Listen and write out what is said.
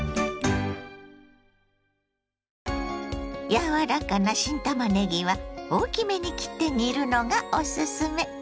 柔らかな新たまねぎは大きめに切って煮るのがおすすめ。